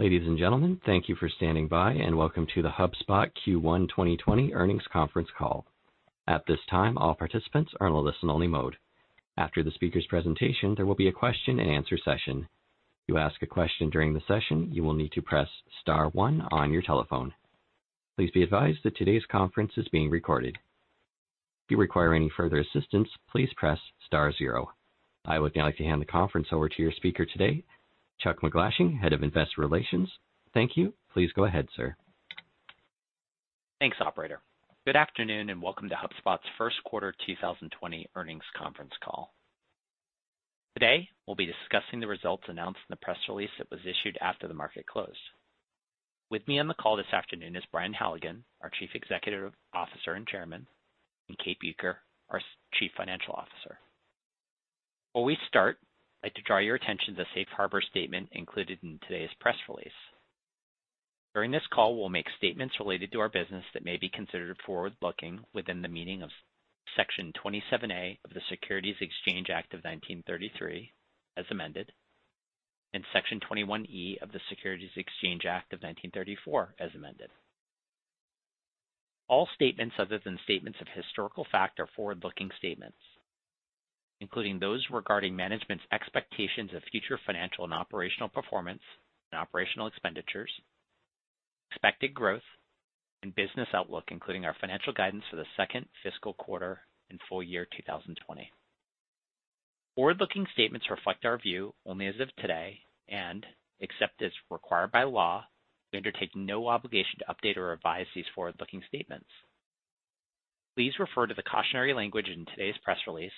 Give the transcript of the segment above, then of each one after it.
Ladies and gentlemen, thank you for standing by. Welcome to the HubSpot Q1 2020 earnings conference call. At this time, all participants are in listen only mode. After the speaker's presentation, there will be a question and answer session. To ask a question during the session, you will need to press star one on your telephone. Please be advised that today's conference is being recorded. If you require any further assistance, please press star zero. I would now like to hand the conference over to your speaker today, Chuck MacGlashing, Head of Investor Relations. Thank you. Please go ahead, sir. Thanks, operator. Good afternoon, and welcome to HubSpot's first quarter 2020 earnings conference call. Today, we'll be discussing the results announced in the press release that was issued after the market closed. With me on the call this afternoon is Brian Halligan, our Chief Executive Officer and Chairman, and Kate Bueker, our Chief Financial Officer. Before we start, I'd like to draw your attention to the safe harbor statement included in today's press release. During this call, we'll make statements related to our business that may be considered forward-looking within the meaning of Section 27A of the Securities Exchange Act of 1933 as amended, and Section 21E of the Securities Exchange Act of 1934 as amended. All statements other than statements of historical fact are forward-looking statements, including those regarding management's expectations of future financial and operational performance and operational expenditures, expected growth, and business outlook, including our financial guidance for the second fiscal quarter and full-year 2020. Forward-looking statements reflect our view only as of today, and except as required by law, we undertake no obligation to update or revise these forward-looking statements. Please refer to the cautionary language in today's press release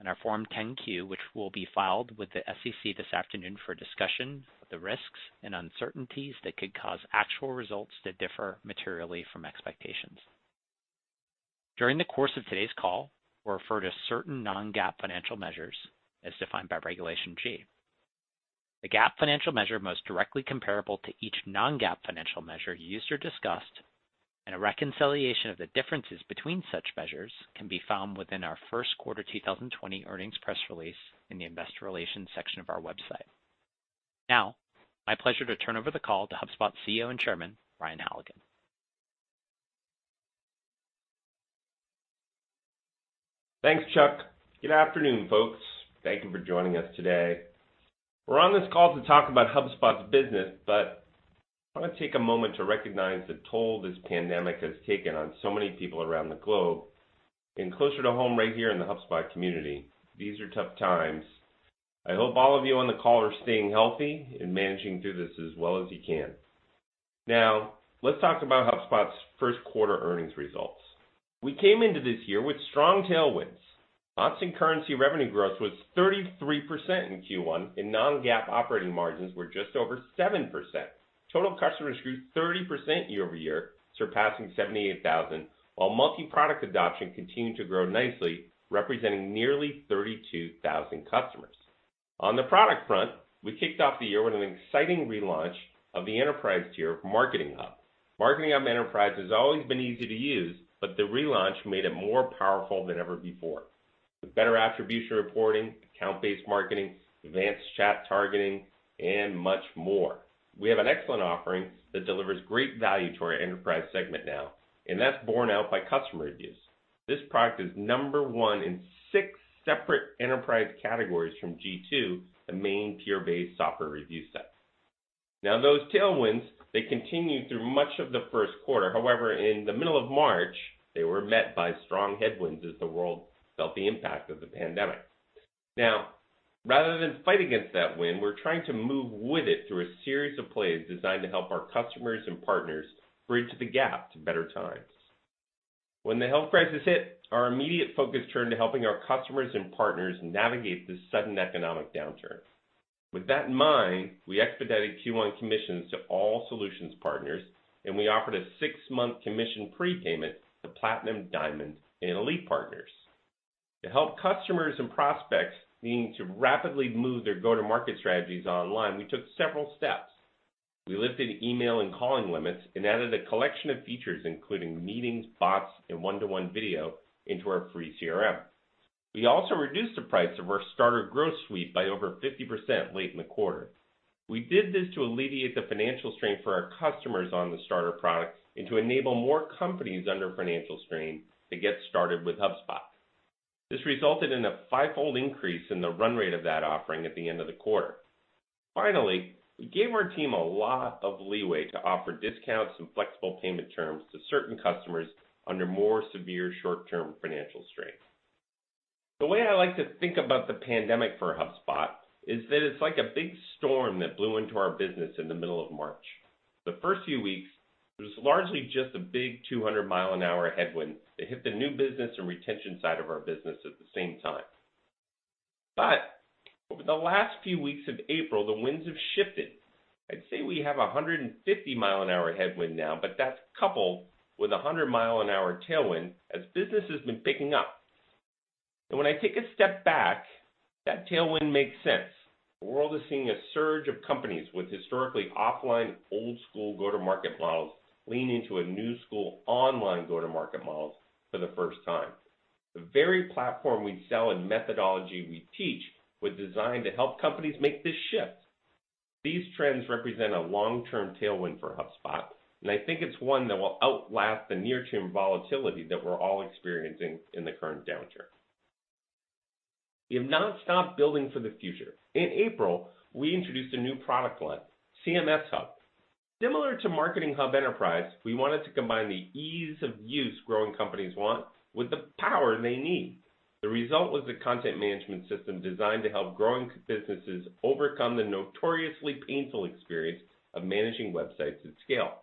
and our Form 10-Q, which will be filed with the SEC this afternoon, for a discussion of the risks and uncertainties that could cause actual results to differ materially from expectations. During the course of today's call, we'll refer to certain non-GAAP financial measures as defined by Regulation G. The GAAP financial measure most directly comparable to each non-GAAP financial measure used or discussed, and a reconciliation of the differences between such measures, can be found within our first quarter 2020 earnings press release in the Investor Relations section of our website. Now, my pleasure to turn over the call to HubSpot CEO and Chairman, Brian Halligan. Thanks, Chuck. Good afternoon, folks. Thank you for joining us today. We're on this call to talk about HubSpot's business, but I want to take a moment to recognize the toll this pandemic has taken on so many people around the globe, and closer to home, right here in the HubSpot community. These are tough times. I hope all of you on the call are staying healthy and managing through this as well as you can. Let's talk about HubSpot's first quarter earnings results. We came into this year with strong tailwinds. Constant currency revenue growth was 33% in Q1, and non-GAAP operating margins were just over 7%. Total customers grew 30% year-over-year, surpassing 78,000, while multi-product adoption continued to grow nicely, representing nearly 32,000 customers. On the product front, we kicked off the year with an exciting relaunch of the enterprise tier of Marketing Hub. Marketing Hub Enterprise has always been easy to use, but the relaunch made it more powerful than ever before, with better attribution reporting, account-based marketing, advanced chat targeting, and much more. We have an excellent offering that delivers great value to our enterprise segment now, and that's borne out by customer reviews. This product is number one in six separate enterprise categories from G2, the main peer-based software review site. Those tailwinds, they continued through much of the first quarter. In the middle of March, they were met by strong headwinds as the world felt the impact of the pandemic. Rather than fight against that wind, we're trying to move with it through a series of plays designed to help our customers and partners bridge the gap to better times. When the health crisis hit, our immediate focus turned to helping our customers and partners navigate this sudden economic downturn. With that in mind, we expedited Q1 commissions to all Solutions Partners, we offered a six-month commission prepayment to Platinum, Diamond, and Elite Partners. To help customers and prospects needing to rapidly move their go-to-market strategies online, we took several steps. We lifted email and calling limits and added a collection of features, including meetings, bots, and one-to-one video into our free CRM. We also reduced the price of our Starter Growth Suite by over 50% late in the quarter. We did this to alleviate the financial strain for our customers on the Starter product and to enable more companies under financial strain to get started with HubSpot. This resulted in a fivefold increase in the run rate of that offering at the end of the quarter. Finally, we gave our team a lot of leeway to offer discounts and flexible payment terms to certain customers under more severe short-term financial strain. The way I like to think about the pandemic for HubSpot is that it's like a big storm that blew into our business in the middle of March. The first few weeks, it was largely just a big 200 mph headwind that hit the new business and retention side of our business at the same time. Over the last few weeks of April, the winds have shifted. I'd say we have 150 mph headwind now, but that's coupled with 100 mph tailwind as business has been picking up. When I take a step back, that tailwind makes sense. The world is seeing a surge of companies with historically offline, old-school go-to-market models leaning to a new-school online go-to-market models for the first time. The very platform we sell and methodology we teach was designed to help companies make this shift. These trends represent a long-term tailwind for HubSpot, and I think it's one that will outlast the near-term volatility that we're all experiencing in the current downturn. We have not stopped building for the future. In April, we introduced a new product line, CMS Hub. Similar to Marketing Hub Enterprise, we wanted to combine the ease of use growing companies want with the power they need. The result was the content management system designed to help growing businesses overcome the notoriously painful experience of managing websites at scale.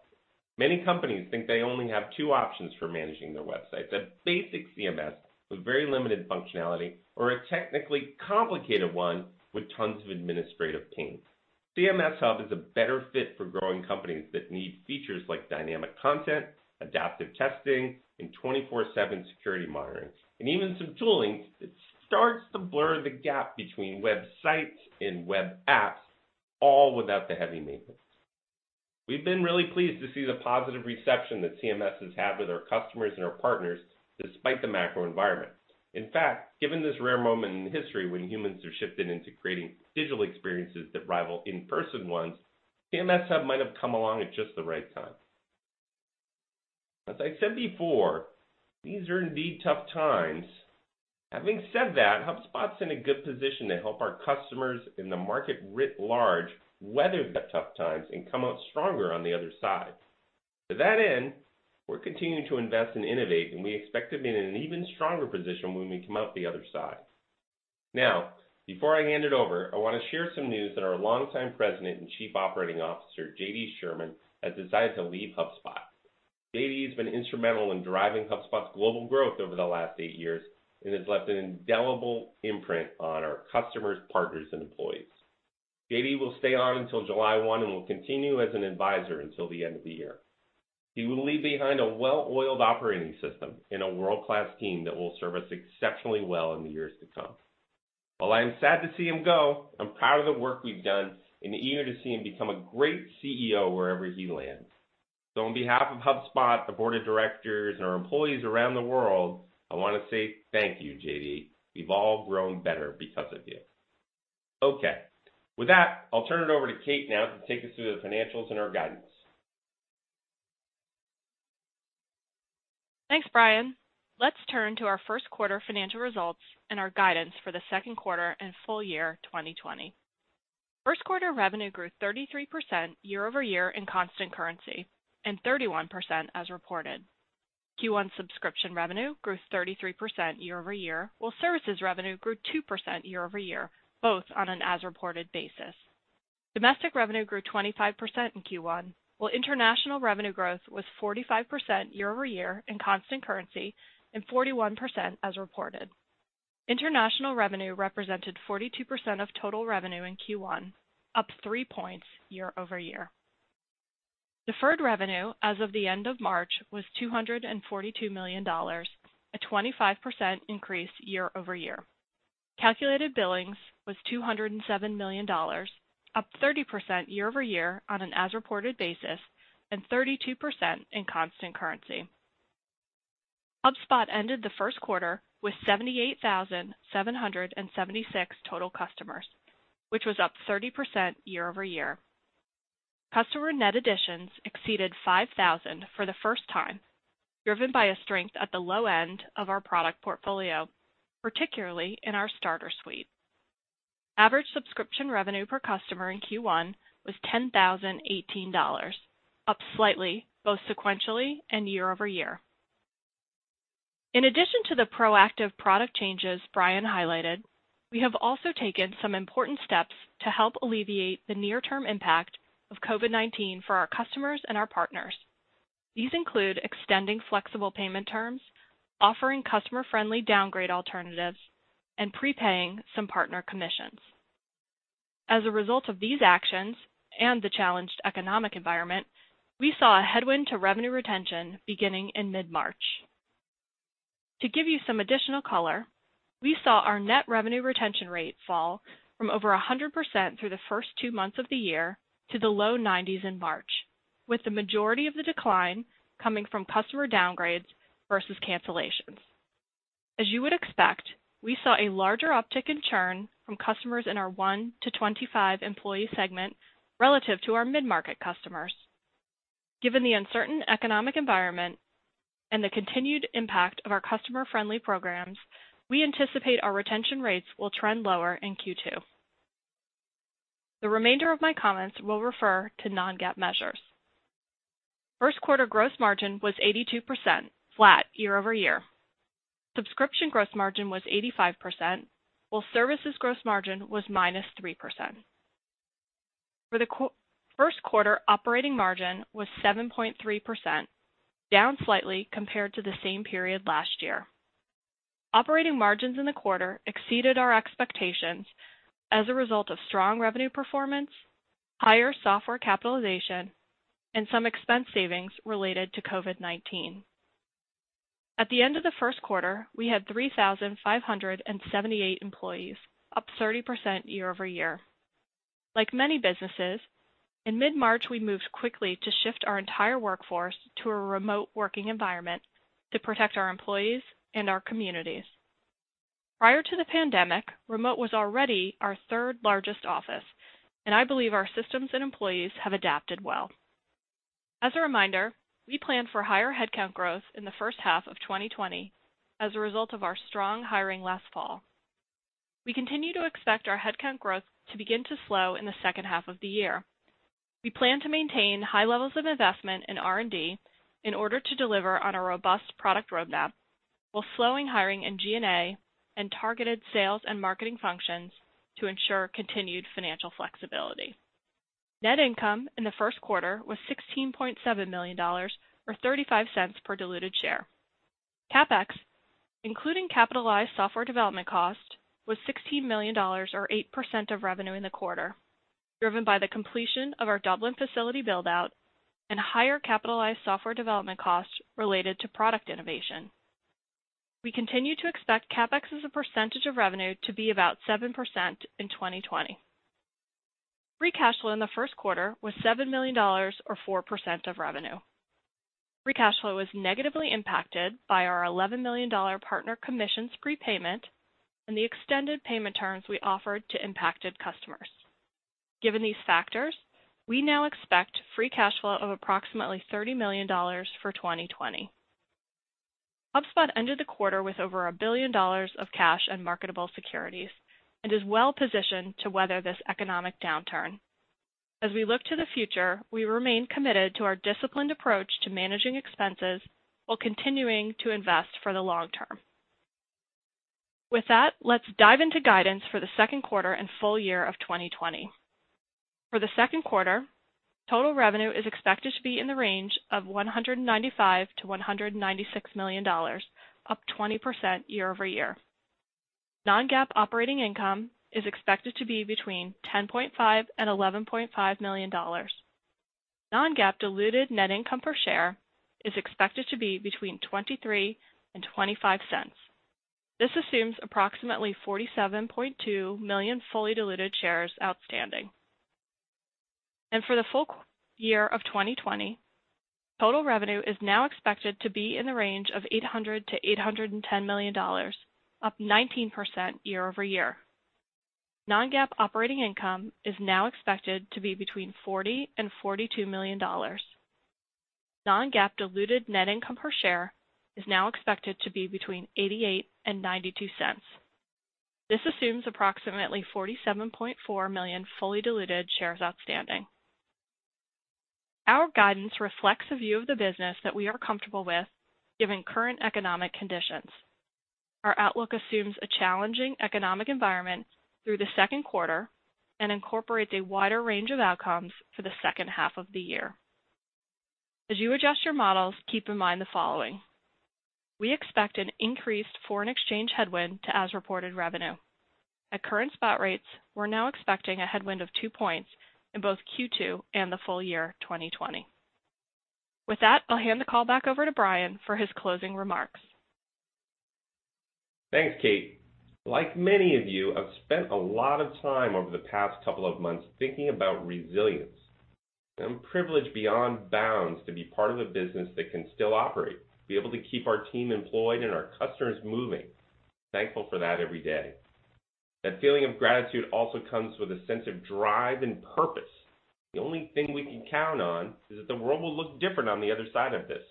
Many companies think they only have two options for managing their websites, a basic CMS with very limited functionality or a technically complicated one with tons of administrative pains. CMS Hub is a better fit for growing companies that need features like dynamic content, adaptive testing, and 24/7 security monitoring, and even some tooling that starts to blur the gap between websites and web apps, all without the heavy maintenance. We've been really pleased to see the positive reception that CMS has had with our customers and our partners, despite the macro environment. In fact, given this rare moment in history when humans have shifted into creating digital experiences that rival in-person ones, CMS Hub might have come along at just the right time. As I said before, these are indeed tough times. Having said that, HubSpot's in a good position to help our customers in the market writ large weather the tough times and come out stronger on the other side. To that end, we're continuing to invest and innovate, and we expect to be in an even stronger position when we come out the other side. Before I hand it over, I want to share some news that our longtime President and Chief Operating Officer, JD Sherman, has decided to leave HubSpot. JD has been instrumental in driving HubSpot's global growth over the last eight years and has left an indelible imprint on our customers, partners, and employees. JD will stay on until July 1 and will continue as an advisor until the end of the year. He will leave behind a well-oiled operating system and a world-class team that will serve us exceptionally well in the years to come. While I am sad to see him go, I'm proud of the work we've done and eager to see him become a great CEO wherever he lands. On behalf of HubSpot, the Board of Directors, and our employees around the world, I want to say thank you, JD. We've all grown better because of you. Okay. With that, I'll turn it over to Kate now to take us through the financials and our guidance. Thanks, Brian. Let's turn to our first quarter financial results and our guidance for the second quarter and full-year 2020. First quarter revenue grew 33% year-over-year in constant currency, and 31% as reported. Q1 subscription revenue grew 33% year-over-year, while services revenue grew 2% year-over-year, both on an as-reported basis. Domestic revenue grew 25% in Q1, while international revenue growth was 45% year-over-year in constant currency and 41% as reported. International revenue represented 42% of total revenue in Q1, up three points year-over-year. Deferred revenue as of the end of March was $242 million, a 25% increase year-over-year. Calculated billings was $207 million, up 30% year-over-year on an as-reported basis and 32% in constant currency. HubSpot ended the first quarter with 78,776 total customers, which was up 30% year-over-year. Customer net additions exceeded 5,000 for the first time, driven by a strength at the low end of our product portfolio, particularly in our Starter Suite. Average subscription revenue per customer in Q1 was $10,018, up slightly, both sequentially and year-over-year. In addition to the proactive product changes Brian highlighted, we have also taken some important steps to help alleviate the near-term impact of COVID-19 for our customers and our partners. These include extending flexible payment terms, offering customer-friendly downgrade alternatives, and prepaying some partner commissions. As a result of these actions and the challenged economic environment, we saw a headwind to revenue retention beginning in mid-March. To give you some additional color, we saw our net revenue retention rate fall from over 100% through the first two months of the year to the low 90s in March, with the majority of the decline coming from customer downgrades versus cancellations. As you would expect, we saw a larger uptick in churn from customers in our one to 25 employee segment relative to our mid-market customers. Given the uncertain economic environment and the continued impact of our customer-friendly programs, we anticipate our retention rates will trend lower in Q2. The remainder of my comments will refer to non-GAAP measures. First quarter gross margin was 82%, flat year-over-year. Subscription gross margin was 85%, while services gross margin was minus 3%. For the first quarter, operating margin was 7.3%, down slightly compared to the same period last year. Operating margins in the quarter exceeded our expectations as a result of strong revenue performance, higher software capitalization, and some expense savings related to COVID-19. At the end of the first quarter, we had 3,578 employees, up 30% year-over-year. Like many businesses, in mid-March, we moved quickly to shift our entire workforce to a remote working environment to protect our employees and our communities. Prior to the pandemic, remote was already our third largest office, and I believe our systems and employees have adapted well. As a reminder, we planned for higher headcount growth in the first half of 2020 as a result of our strong hiring last fall. We continue to expect our headcount growth to begin to slow in the second half of the year. We plan to maintain high levels of investment in R&D in order to deliver on a robust product roadmap while slowing hiring in G&A and targeted sales and marketing functions to ensure continued financial flexibility. Net income in the first quarter was $16.7 million, or $0.35 per diluted share. CapEx, including capitalized software development cost, was $16 million, or 8% of revenue in the quarter, driven by the completion of our Dublin facility build-out and higher capitalized software development costs related to product innovation. We continue to expect CapEx as a percentage of revenue to be about 7% in 2020. Free cash flow in the first quarter was $7 million, or 4% of revenue. Free cash flow was negatively impacted by our $11 million partner commissions prepayment and the extended payment terms we offered to impacted customers. Given these factors, we now expect free cash flow of approximately $30 million for 2020. HubSpot ended the quarter with over a billion dollars of cash and marketable securities, and is well-positioned to weather this economic downturn. As we look to the future, we remain committed to our disciplined approach to managing expenses while continuing to invest for the long term. With that, let's dive into guidance for the second quarter and full-year of 2020. For the second quarter, total revenue is expected to be in the range of $195 million-$196 million, up 20% year-over-year. Non-GAAP operating income is expected to be between $10.5 million and $11.5 million. Non-GAAP diluted net income per share is expected to be between $0.23 and $0.25. This assumes approximately 47.2 million fully diluted shares outstanding. For the full-year of 2020, total revenue is now expected to be in the range of $800 million-$810 million, up 19% year-over-year. Non-GAAP operating income is now expected to be between $40 million and $42 million. Non-GAAP diluted net income per share is now expected to be between $0.88 and $0.92. This assumes approximately 47.4 million fully diluted shares outstanding. Our guidance reflects a view of the business that we are comfortable with, given current economic conditions. Our outlook assumes a challenging economic environment through the second quarter and incorporates a wider range of outcomes for the second half of the year. As you adjust your models, keep in mind the following. We expect an increased foreign exchange headwind to as-reported revenue. At current spot rates, we're now expecting a headwind of two points in both Q2 and the full-year 2020. With that, I'll hand the call back over to Brian for his closing remarks. Thanks, Kate. Like many of you, I've spent a lot of time over the past couple of months thinking about resilience. I'm privileged beyond bounds to be part of a business that can still operate, be able to keep our team employed and our customers moving. Thankful for that every day. That feeling of gratitude also comes with a sense of drive and purpose. The only thing we can count on is that the world will look different on the other side of this.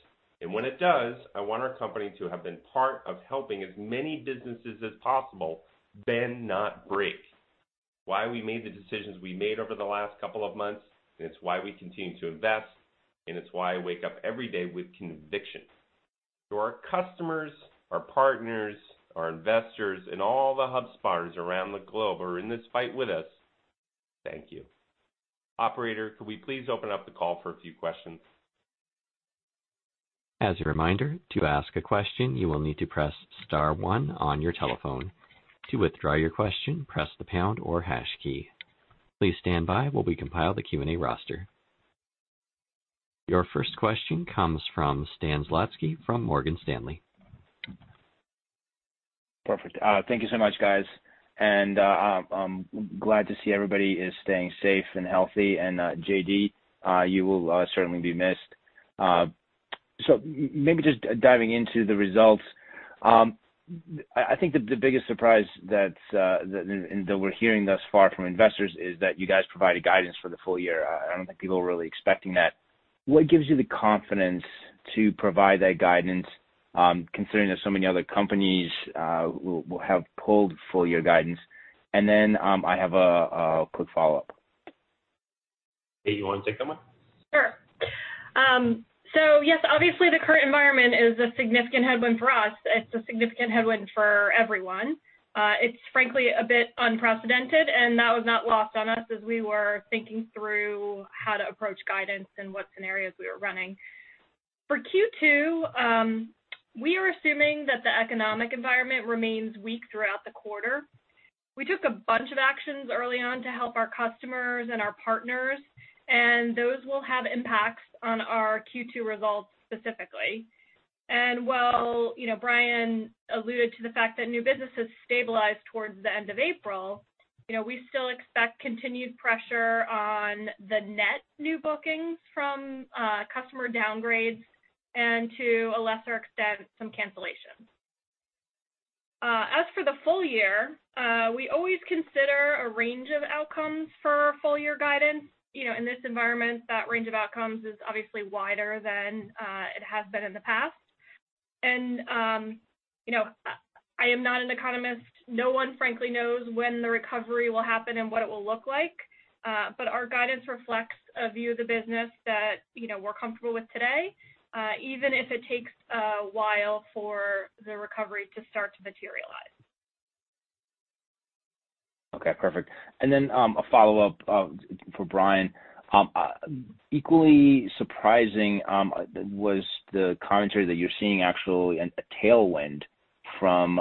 When it does, I want our company to have been part of helping as many businesses as possible bend, not break. Why we made the decisions we made over the last couple of months, it's why we continue to invest, and it's why I wake up every day with conviction. To our customers, our partners, our investors, and all the HubSpotters around the globe who are in this fight with us, thank you. Operator, could we please open up the call for a few questions? As a reminder, to ask a question, you will need to press star one on your telephone. To withdraw your question, press the pound or hash key. Please stand by while we compile the Q&A roster. Your first question comes from Stan Zlotsky from Morgan Stanley. Perfect. Thank you so much, guys. I'm glad to see everybody is staying safe and healthy, and JD, you will certainly be missed. Maybe just diving into the results. I think the biggest surprise that we're hearing thus far from investors is that you guys provided guidance for the full-year. I don't think people were really expecting that. What gives you the confidence to provide that guidance, considering that so many other companies have pulled full-year guidance? Then, I have a quick follow-up. Kate, you want to take that one? Sure. Yes, obviously, the current environment is a significant headwind for us. It's a significant headwind for everyone. It's frankly a bit unprecedented. That was not lost on us as we were thinking through how to approach guidance and what scenarios we were running. For Q2, we are assuming that the economic environment remains weak throughout the quarter. We took a bunch of actions early on to help our customers and our partners. Those will have impacts on our Q2 results specifically. While Brian alluded to the fact that new business has stabilized towards the end of April, we still expect continued pressure on the net new bookings from customer downgrades and, to a lesser extent, some cancellations. As for the full-year, we always consider a range of outcomes for our full-year guidance. In this environment, that range of outcomes is obviously wider than it has been in the past. I am not an economist. No one frankly knows when the recovery will happen and what it will look like, but our guidance reflects a view of the business that we're comfortable with today, even if it takes a while for the recovery to start to materialize. Okay, perfect. A follow-up for Brian. Equally surprising was the commentary that you're seeing actually a tailwind from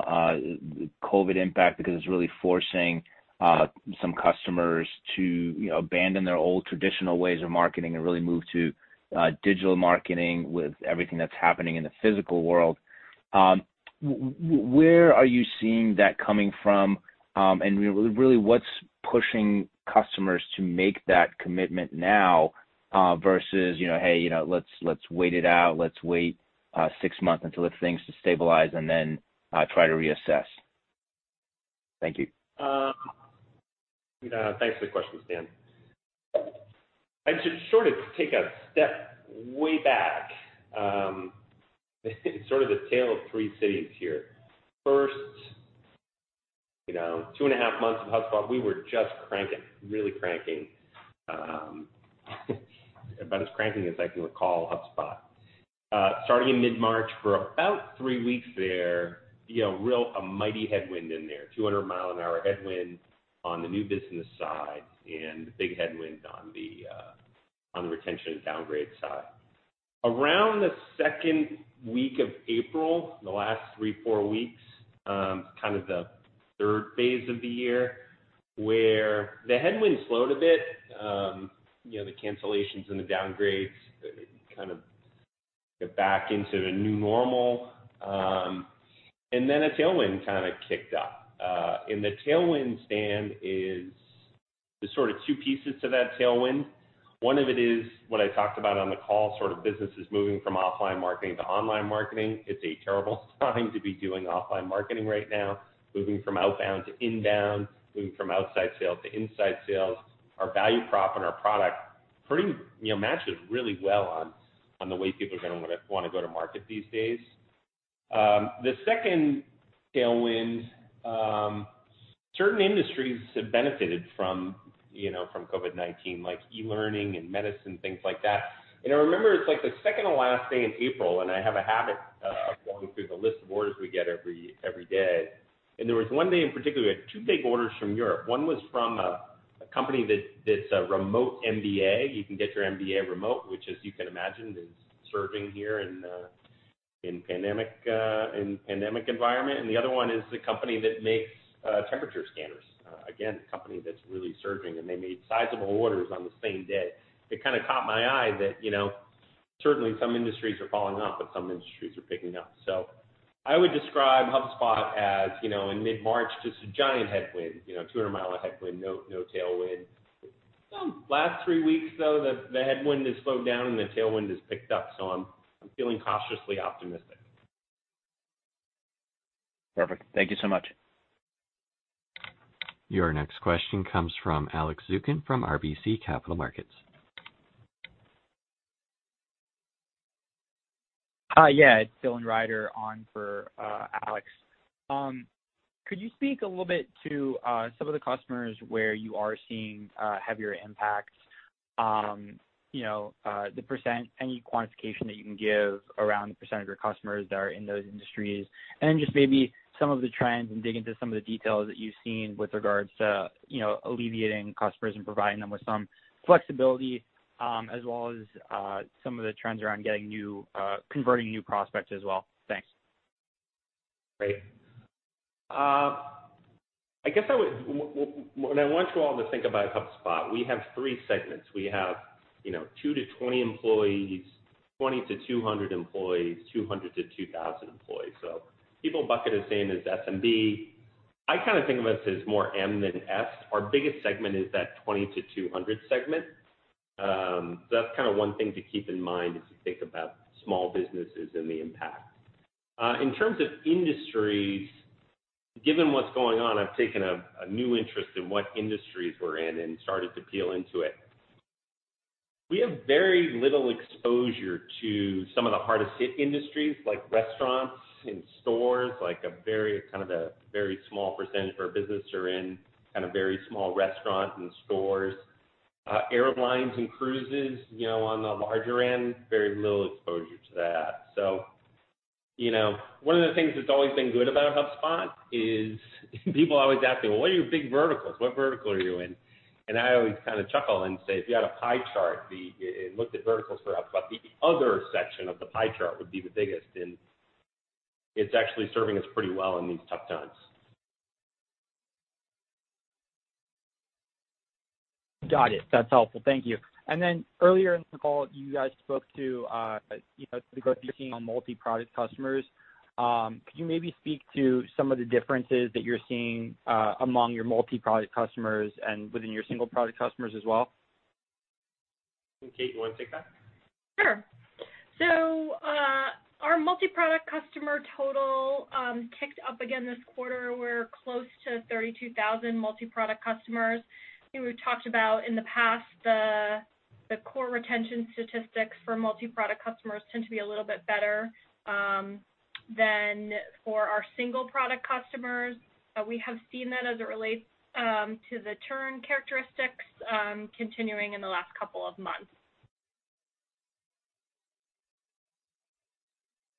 COVID-19 impact because it's really forcing some customers to abandon their old traditional ways of marketing and really move to digital marketing with everything that's happening in the physical world. Where are you seeing that coming from, and really what's pushing customers to make that commitment now versus, "Hey, let's wait it out. Let's wait six months until the things stabilize and then try to reassess"? Thank you. Thanks for the question, Stan. I should sort of take a step way back. It's sort of the tale of three cities here. First, 2.5 months of HubSpot, we were just cranking, really cranking, about as cranking as I can recall, HubSpot. Starting in mid-March, for about three weeks there, a mighty headwind in there, 200 mph headwind on the new business side and big headwind on the retention and downgrade side. Around the second week of April, the last three, four weeks, kind of the third phase of the year, where the headwinds slowed a bit, the cancellations and the downgrades kind of get back into a new normal. Then a tailwind kind of kicked up. The tailwind, Stan, there's sort of two pieces to that tailwind. One of it is what I talked about on the call, sort of businesses moving from offline marketing to online marketing. It's a terrible time to be doing offline marketing right now. Moving from outbound to inbound, moving from outside sales to inside sales. Our value prop and our product pretty much matches really well on the way people are going to want to go to market these days. The second tailwind, certain industries have benefited from COVID-19, like e-learning and medicine, things like that. I remember, it's like the second to last day in April, and I have a habit of going through the list of orders we get every day, and there was one day in particular, we had two big orders from Europe. One was from a company that's a remote MBA. You can get your MBA remote, which as you can imagine, is surging here in pandemic environment. The other one is the company that makes temperature scanners. Again, a company that's really surging, and they made sizable orders on the same day. It kind of caught my eye that certainly some industries are falling off, but some industries are picking up. I would describe HubSpot as, in mid-March, just a giant headwind, 200 mph headwind, no tailwind. Last three weeks, though, the headwind has slowed down, and the tailwind has picked up, so I'm feeling cautiously optimistic. Perfect. Thank you so much. Your next question comes from Alex Zukin from RBC Capital Markets. It's Dylan Reider on for Alex. Could you speak a little bit to some of the customers where you are seeing heavier impacts, the percent, any quantification that you can give around the percent of your customers that are in those industries? Just maybe some of the trends and dig into some of the details that you've seen with regards to alleviating customers and providing them with some flexibility, as well as some of the trends around converting new prospects as well. Thanks. Great. I want you all to think about HubSpot. We have three segments. We have 2-20 employees, 20-200 employees, 200-2,000 employees. People bucket us in as SMB. I kind of think of us as more M than S. Our biggest segment is that 20-200 segment. That's kind of one thing to keep in mind as you think about small businesses and the impact. In terms of industries, given what's going on, I've taken a new interest in what industries we're in and started to peel into it. We have very little exposure to some of the hardest hit industries, like restaurants and stores, like a very small percentage of our business are in kind of very small restaurants and stores. Airlines and cruises, on the larger end, very little exposure to that. One of the things that's always been good about HubSpot is people always ask me, "Well, what are your big verticals? What vertical are you in?" I always kind of chuckle and say, "If you had a pie chart and looked at verticals for HubSpot, the other section of the pie chart would be the biggest." It's actually serving us pretty well in these tough times. Got it. That's helpful. Thank you. Earlier in the call, you guys spoke to the growth you're seeing on multi-product customers. Could you maybe speak to some of the differences that you're seeing among your multi-product customers and within your single-product customers as well? Kate, you want to take that? Sure. Our multi-product customer total ticked up again this quarter. We're close to 32,000 multi-product customers. We've talked about, in the past, the core retention statistics for multi-product customers tend to be a little bit better than for our single-product customers. We have seen that as it relates to the churn characteristics continuing in the last couple of months.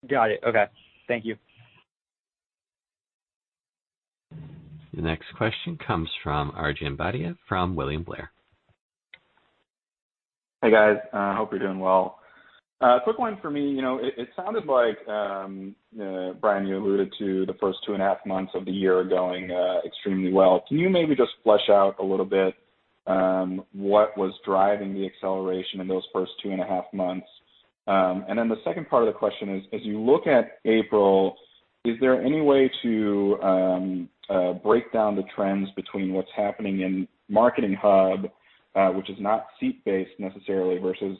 Got it. Okay. Thank you. The next question comes from Arjun Bhatia from William Blair. Hey, guys. Hope you're doing well. Quick one for me. It sounded like, Brian, you alluded to the first two and a half months of the year going extremely well. Can you maybe just flesh out a little bit what was driving the acceleration in those first two and a half months? The second part of the question is, as you look at April, is there any way to break down the trends between what's happening in Marketing Hub, which is not seat-based necessarily, versus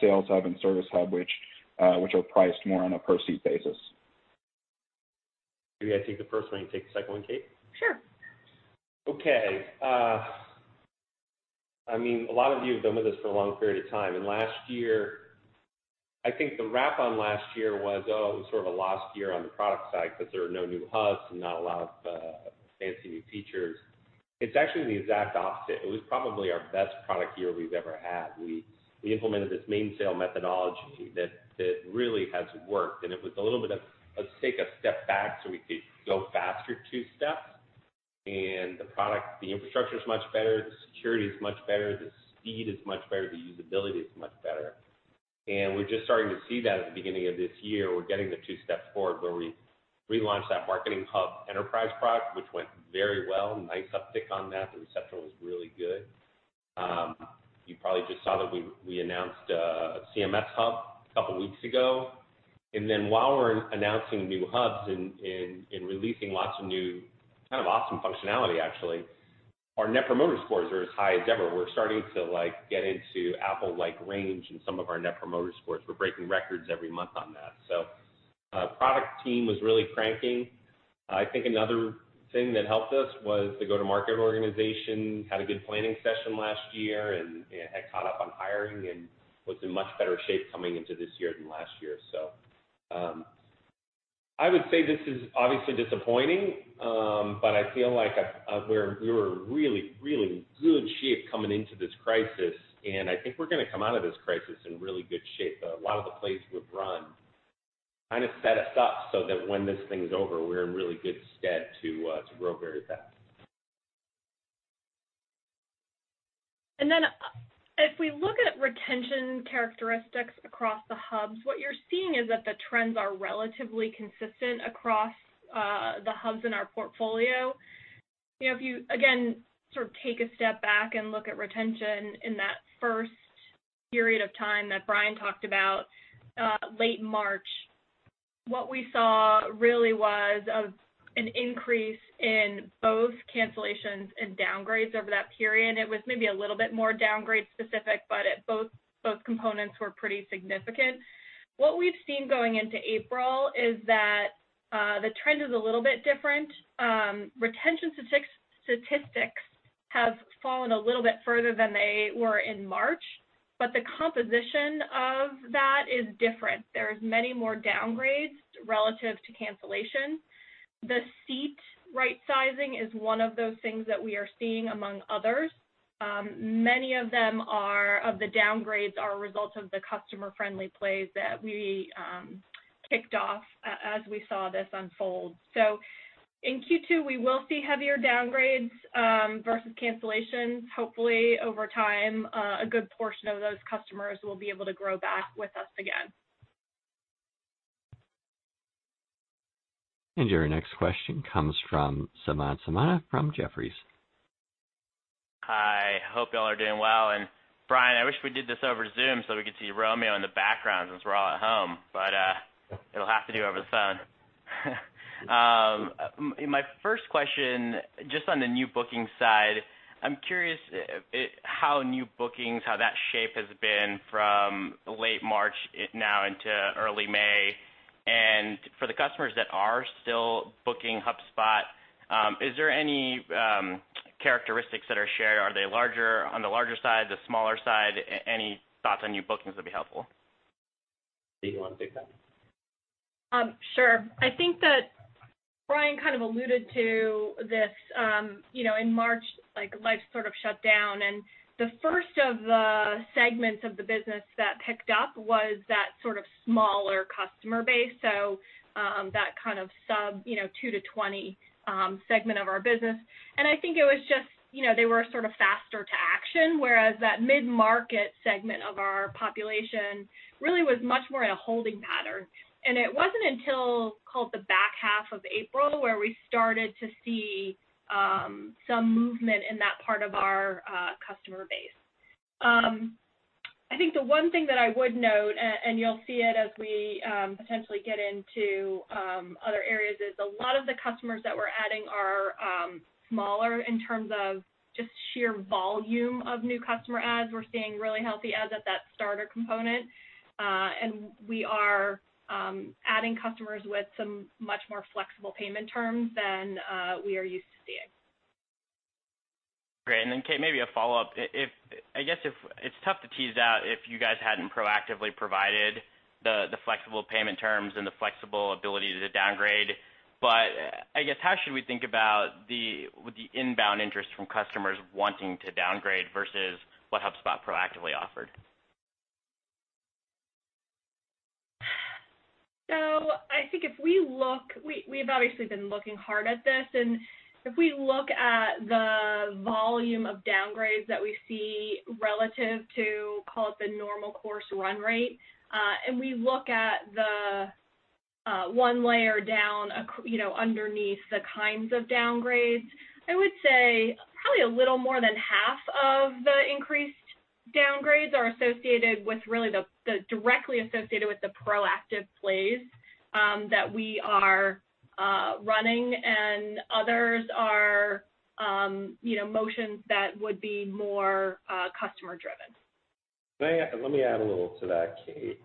Sales Hub and Service Hub, which are priced more on a per seat basis? Maybe I take the first one. You take the second one, Kate? Sure. Okay. A lot of you have been with us for a long period of time. Last year, I think the wrap on last year was, oh, it was sort of a lost year on the product side because there were no new Hubs and not a lot of fancy new features. It's actually the exact opposite. It was probably our best product year we've ever had. We implemented this main sale methodology that really has worked. It was a little bit of, let's take a step back so we could go faster two steps. The infrastructure's much better, the security is much better, the speed is much better, the usability is much better. We're just starting to see that at the beginning of this year. We're getting the two steps forward where we relaunched that Marketing Hub Enterprise product, which went very well. Nice uptick on that. The reception was really good. You probably just saw that we announced a CMS Hub a couple weeks ago. While we're announcing new hubs and releasing lots of new, kind of awesome functionality, actually, our net promoter scores are as high as ever. We're starting to get into Apple-like range in some of our net promoter scores. We're breaking records every month on that. Product team was really cranking. I think another thing that helped us was the go-to-market organization had a good planning session last year, and had caught up on hiring, and was in much better shape coming into this year than last year. I would say this is obviously disappointing, but I feel like we were in really good shape coming into this crisis, and I think we're going to come out of this crisis in really good shape. A lot of the plays we've run kind of set us up so that when this thing's over, we're in really good stead to grow very fast. If we look at retention characteristics across the hubs, what you're seeing is that the trends are relatively consistent across the hubs in our portfolio. If you, again, sort of take a step back and look at retention in that first period of time that Brian talked about, late March, what we saw really was an increase in both cancellations and downgrades over that period. It was maybe a little bit more downgrade specific, but both components were pretty significant. We've seen going into April is that the trend is a little bit different. Retention statistics have fallen a little bit further than they were in March, but the composition of that is different. There's many more downgrades relative to cancellation. The seat right-sizing is one of those things that we are seeing, among others. Many of the downgrades are a result of the customer-friendly plays that we kicked off as we saw this unfold. In Q2, we will see heavier downgrades versus cancellations. Hopefully, over time, a good portion of those customers will be able to grow back with us again. Your next question comes from Samad Samana from Jefferies. Hi, hope you all are doing well. Brian, I wish we did this over Zoom so we could see Romeo in the background since we're all at home. It'll have to do over the phone. My first question, just on the new booking side, I'm curious how new bookings, how that shape has been from late March now into early May. For the customers that are still booking HubSpot, is there any characteristics that are shared? Are they on the larger side, the smaller side? Any thoughts on new bookings would be helpful. Kate, you want to take that? Sure. I think that Brian kind of alluded to this. In March, life sort of shut down, and the first of the segments of the business that picked up was that sort of smaller customer base, so that kind of sub 2-20 segment of our business. I think it was just they were sort of faster to action, whereas that mid-market segment of our population really was much more in a holding pattern. It wasn't until, call it the back half of April, where we started to see some movement in that part of our customer base. I think the one thing that I would note, and you'll see it as we potentially get into other areas, is a lot of the customers that we're adding are smaller in terms of just sheer volume of new customer adds. We're seeing really healthy adds at that Starter component. We are adding customers with some much more flexible payment terms than we are used to seeing. Great. Kate, maybe a follow-up. I guess it's tough to tease out if you guys hadn't proactively provided the flexible payment terms and the flexible ability to downgrade, but I guess, how should we think about the inbound interest from customers wanting to downgrade versus what HubSpot proactively offered? I think we've obviously been looking hard at this, and if we look at the volume of downgrades that we see relative to, call it the normal course run rate, and we look at the one layer down underneath the kinds of downgrades, I would say probably a little more than half of the increased downgrades are directly associated with the proactive plays that we are running and others are motions that would be more customer-driven. Let me add a little to that, Kate.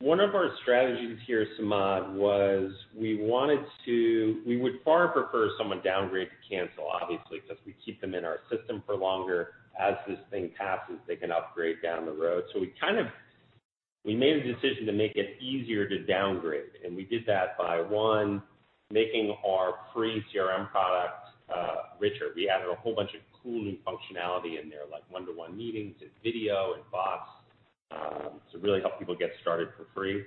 One of our strategies here, Samad, was we would far prefer someone downgrade to cancel, obviously, because we keep them in our system for longer. As this thing passes, they can upgrade down the road. We made a decision to make it easier to downgrade, and we did that by, one, making our free CRM product richer. We added a whole bunch of cool new functionality in there, like one-to-one meetings and video and bots to really help people get started for free.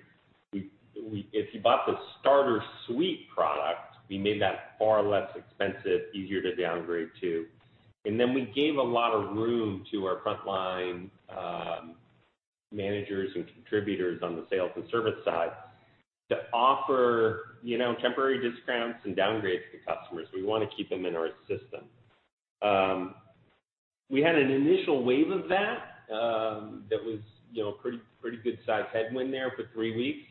If you bought Starter Suite product, we made that far less expensive, easier to downgrade, too. We gave a lot of room to our frontline managers and contributors on the Sales and Service side to offer temporary discounts and downgrades to customers. We want to keep them in our system. We had an initial wave of that was pretty good-sized headwind there for three weeks.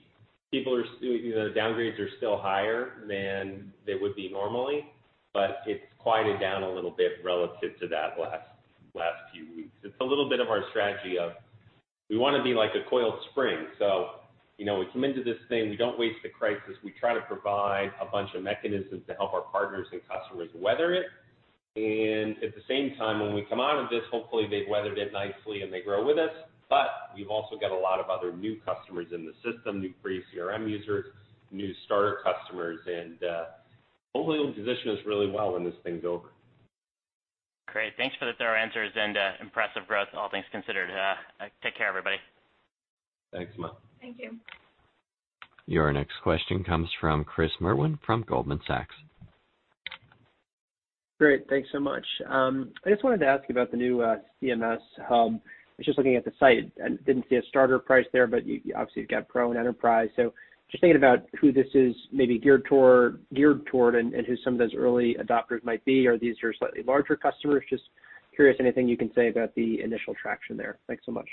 The downgrades are still higher than they would be normally, but it's quieted down a little bit relative to that last few weeks. It's a little bit of our strategy of we want to be like a coiled spring. We come into this thing, we don't waste a crisis. We try to provide a bunch of mechanisms to help our partners and customers weather it, and at the same time, when we come out of this, hopefully they've weathered it nicely and they grow with us. We've also got a lot of other new customers in the system, new free CRM users, new starter customers, and hopefully it'll position us really well when this thing's over. Great. Thanks for the thorough answers and impressive growth, all things considered. Take care, everybody. Thanks, Samad. Thank you. Your next question comes from Chris Merwin from Goldman Sachs. Great. Thanks so much. I just wanted to ask you about the new CMS Hub. I was just looking at the site and didn't see a starter price there, but obviously you've got Pro and Enterprise. Just thinking about who this is maybe geared toward and who some of those early adopters might be. Are these your slightly larger customers? Just curious, anything you can say about the initial traction there. Thanks so much.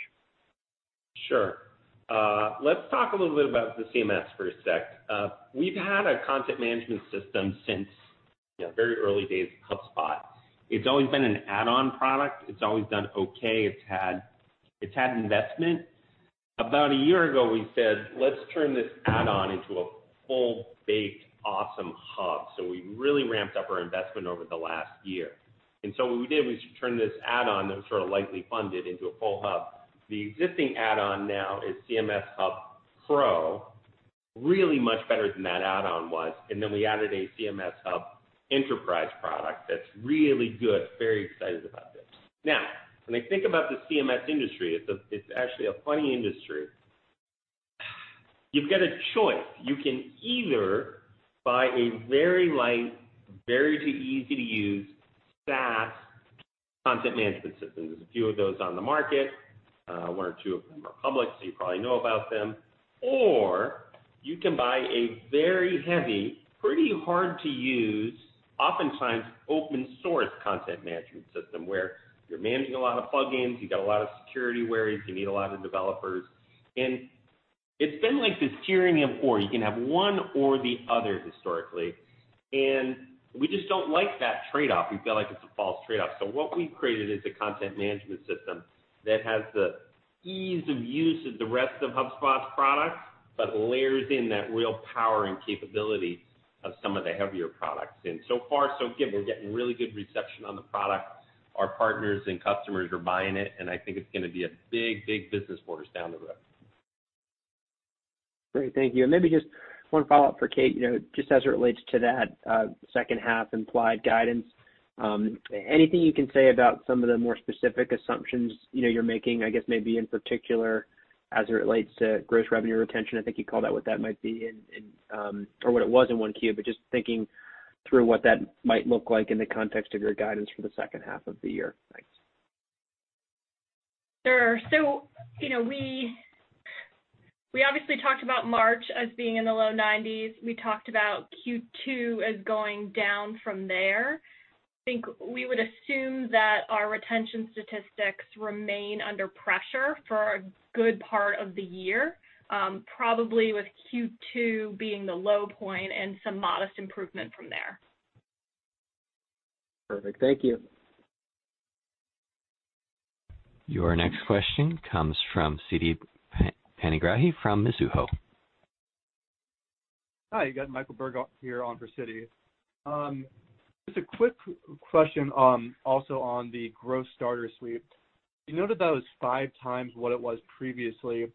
Sure. Let's talk a little bit about the CMS for a sec. We've had a content management system since the very early days of HubSpot. It's always been an add-on product. It's always done okay. It's had investment. About a year ago, we said, "Let's turn this add-on into a full-baked, awesome hub." We really ramped up our investment over the last year. What we did was turn this add-on that was sort of lightly funded into a full hub. The existing add-on now is CMS Hub Pro, really much better than that add-on was. We added a CMS Hub Enterprise product that's really good. Very excited about this. When I think about the CMS industry, it's actually a funny industry. You've got a choice. You can either buy a very light, very easy-to-use, fast content management system. There's a few of those on the market. One or two of them are public, so you probably know about them. You can buy a very heavy, pretty hard to use, oftentimes open source content management system where you're managing a lot of plugins, you've got a lot of security worries, you need a lot of developers. It's been like this tyranny of, or. You can have one or the other, historically. We just don't like that trade-off. We feel like it's a false trade-off. What we've created is a content management system that has the ease of use of the rest of HubSpot's products, but layers in that real power and capability of some of the heavier products. So far, so good. We're getting really good reception on the product. Our partners and customers are buying it, and I think it's going to be a big business for us down the road. Great. Thank you. Maybe just one follow-up for Kate, just as it relates to that second half implied guidance. Anything you can say about some of the more specific assumptions you're making, I guess maybe in particular as it relates to gross revenue retention? I think you called out what that might be, or what it was in 1Q, but just thinking through what that might look like in the context of your guidance for the second half of the year. Sure. We obviously talked about March as being in the low nineties. We talked about Q2 as going down from there. I think we would assume that our retention statistics remain under pressure for a good part of the year, probably with Q2 being the low point and some modest improvement from there. Perfect. Thank you. Your next question comes from Siti Panigrahi from Mizuho. Hi. You got Michael Berg here on for Siti. Just a quick question also on the Growth Starter Suite. You noted that was five times what it was previously.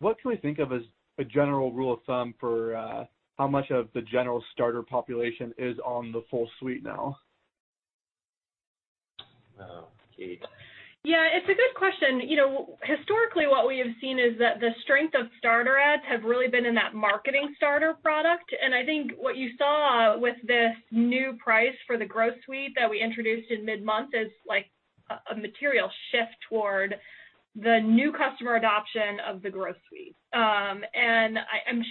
What can we think of as a general rule of thumb for how much of the general starter population is on the full suite now? Kate. It's a good question. Historically, what we have seen is that the strength of Starter adds have really been in that Marketing Starter product. I think what you saw with this new price for the Growth Suite that we introduced in mid-month is a material shift toward the new customer adoption of the Growth Suite. I'm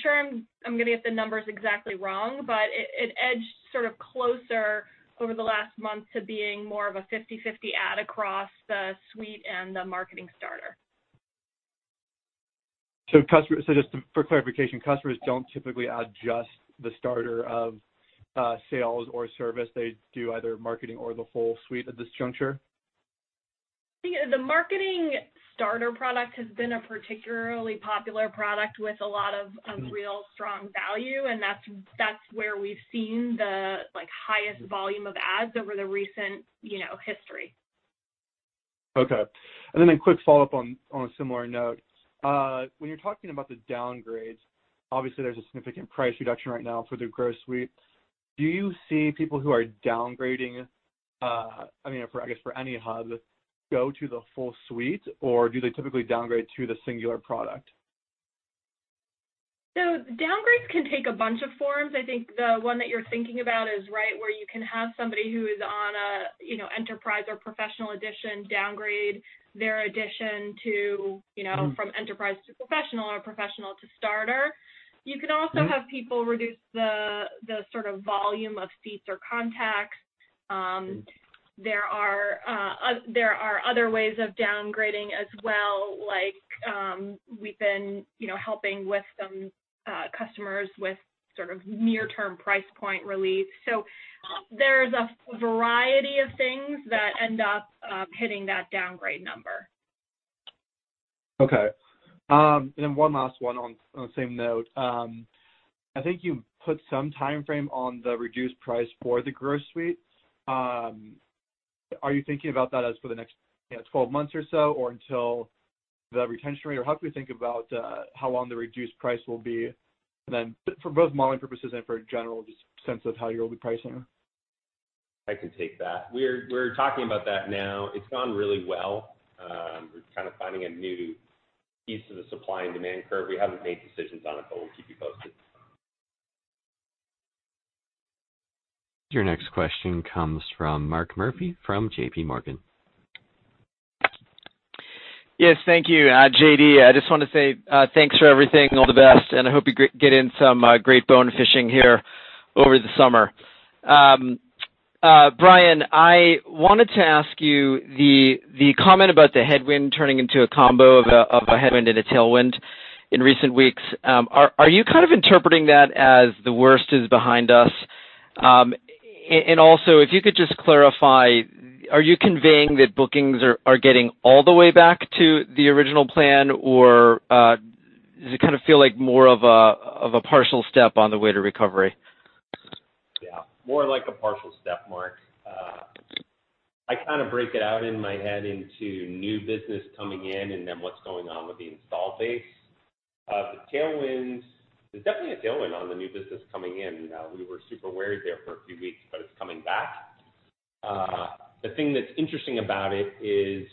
sure I'm going to get the numbers exactly wrong, but it edged sort of closer over the last month to being more of a 50/50 add across the Suite and the Marketing Starter. Just for clarification, customers don't typically add just the Starter of Sales or Service. They do either Marketing or the full suite at this juncture? The Marketing Starter product has been a particularly popular product with a lot of real strong value, and that's where we've seen the highest volume of adds over the recent history. Okay. A quick follow-up on a similar note. When you're talking about the downgrades, obviously there's a significant price reduction right now for the Growth Suite. Do you see people who are downgrading, I guess, for any hub, go to the full suite, or do they typically downgrade to the singular product? Downgrades can take a bunch of forms. I think the one that you're thinking about is right where you can have somebody who is on a Enterprise or Professional edition downgrade their edition from Enterprise to Professional or Professional to Starter. You can also have people reduce the sort of volume of seats or contacts. There are other ways of downgrading as well, like we've been helping with some customers with sort of near-term price point relief. There's a variety of things that end up hitting that downgrade number. Okay. One last one on the same note. I think you put some timeframe on the reduced price for the Growth Suite. Are you thinking about that as for the next 12 months or so, or until the retention rate? How can we think about how long the reduced price will be, and then for both modeling purposes and for a general just sense of how you'll be pricing? I can take that. We're talking about that now. It's gone really well. We're kind of finding a new piece of the supply and demand curve. We haven't made decisions on it, we'll keep you posted. Your next question comes from Mark Murphy from JPMorgan. Yes, thank you, JD. I just want to say thanks for everything, all the best, and I hope you get in some great bone fishing here over the summer. Brian, I wanted to ask you, the comment about the headwind turning into a combo of a headwind and a tailwind in recent weeks, are you kind of interpreting that as the worst is behind us? Also, if you could just clarify, are you conveying that bookings are getting all the way back to the original plan, or does it kind of feel like more of a partial step on the way to recovery? Yeah, more like a partial step, Mark. I kind of break it out in my head into new business coming in and then what's going on with the install base. The tailwind, there's definitely a tailwind on the new business coming in. We were super worried there for a few weeks, but it's coming back. The thing that's interesting about it is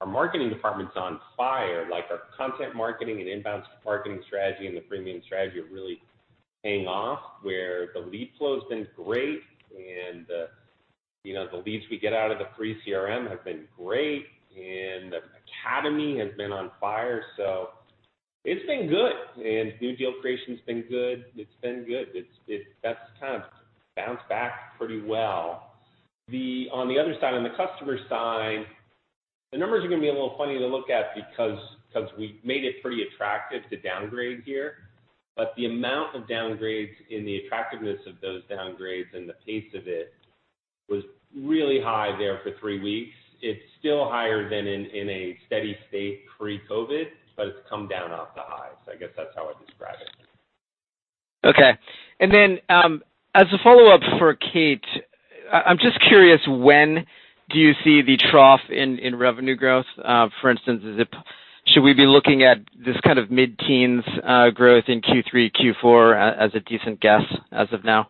our marketing department's on fire, like our content marketing and inbound marketing strategy and the premium strategy are really paying off, where the lead flow's been great and the leads we get out of the free CRM have been great, and the academy has been on fire. It's been good, and new deal creation's been good. That's kind of bounced back pretty well. On the other side, on the customer side, the numbers are going to be a little funny to look at because we made it pretty attractive to downgrade here, but the amount of downgrades and the attractiveness of those downgrades and the pace of it was really high there for three weeks. It's still higher than in a steady state pre-COVID-19, but it's come down off the highs. I guess that's how I'd describe it. Okay. As a follow-up for Kate, I'm just curious, when do you see the trough in revenue growth? For instance, should we be looking at this kind of mid-teens growth in Q3, Q4 as a decent guess as of now?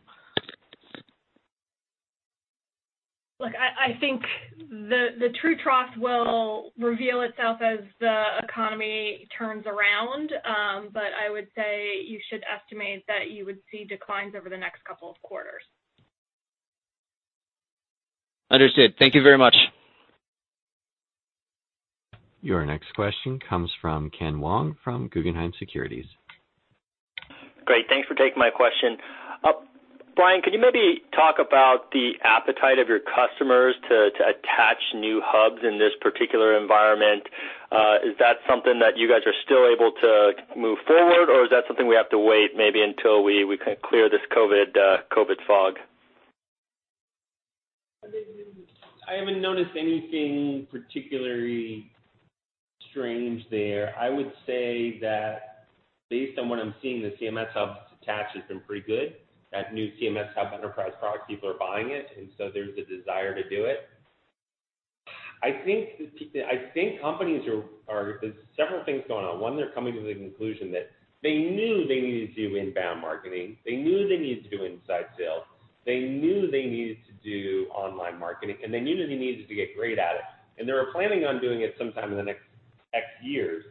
Look, I think the true trough will reveal itself as the economy turns around. I would say you should estimate that you would see declines over the next couple of quarters. Understood. Thank you very much. Your next question comes from Ken Wong from Guggenheim Securities. Great. Thanks for taking my question. Brian, could you maybe talk about the appetite of your customers to attach new hubs in this particular environment? Is that something that you guys are still able to move forward, or is that something we have to wait maybe until we clear this COVID fog? I haven't noticed anything particularly strange there. I would say that based on what I'm seeing, the CMS Hub's attach has been pretty good. That new CMS Hub Enterprise product, people are buying it. There's a desire to do it. There's several things going on. One, they're coming to the conclusion that they knew they needed to do inbound marketing. They knew they needed to do inside sales. They knew they needed to do online marketing, and they knew they needed to get great at it. They were planning on doing it sometime in the next X years.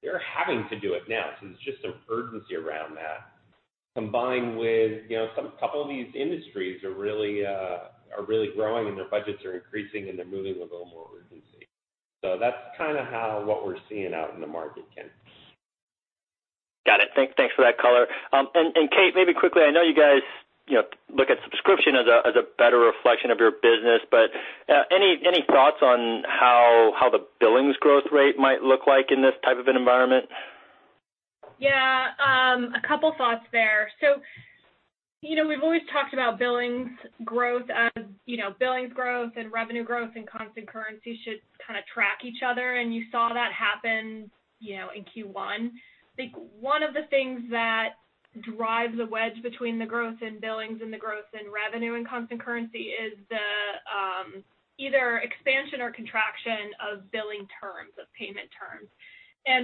They're having to do it now. There's just some urgency around that. Combined with, a couple of these industries are really growing, and their budgets are increasing, and they're moving with a little more urgency. That's kind of how what we're seeing out in the market, Ken. Got it. Thanks for that color. Kate, maybe quickly, I know you guys look at subscription as a better reflection of your business, but any thoughts on how the billings growth rate might look like in this type of an environment? Yeah. A couple thoughts there. We've always talked about billings growth as billings growth and revenue growth and constant currency should kind of track each other, and you saw that happen in Q1. I think one of the things that drives a wedge between the growth in billings and the growth in revenue and constant currency is the either expansion or contraction of billing terms, of payment terms.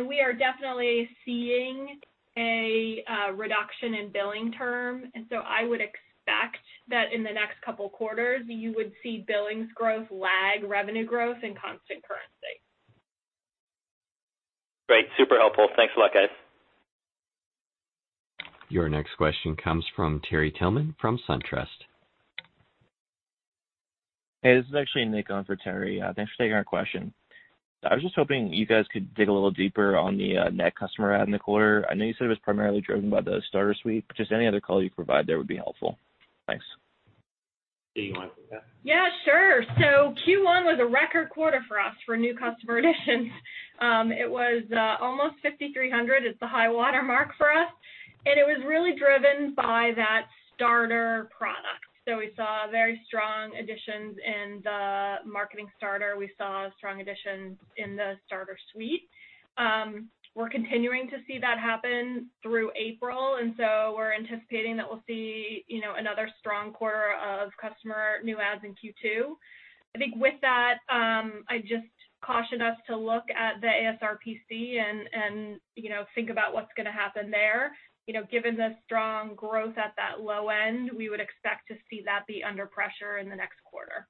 We are definitely seeing a reduction in billing terms. I would expect that in the next couple quarters, you would see billings growth lag revenue growth in constant currency. Great. Super helpful. Thanks a lot, guys. Your next question comes from Terry Tillman from SunTrust. Hey, this is actually Nick on for Terry. Thanks for taking our question. I was just hoping you guys could dig a little deeper on the net customer add in the quarter. I know you said it was primarily driven by Starter Suite, just any other color you could provide there would be helpful. Thanks. Kate, you want to take that? Yeah, sure. Q1 was a record quarter for us for new customer additions. It was almost 5,300. It's the high watermark for us, and it was really driven by that Starter product. We saw very strong additions in the Marketing Starter. We saw strong additions in the Starter Suite. We're continuing to see that happen through April, we're anticipating that we'll see another strong quarter of customer new adds in Q2. I think with that, I'd just caution us to look at the ASRPC and think about what's gonna happen there. Given the strong growth at that low end, we would expect to see that be under pressure in the next quarter.